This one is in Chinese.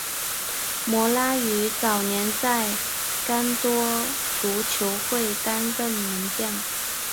摩拉于早年在干多足球会担任门将。